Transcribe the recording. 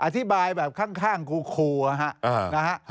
อธิบายแบบข้างคูนะฮะ